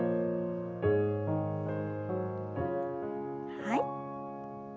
はい。